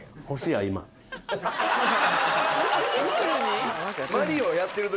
あっシンプルに？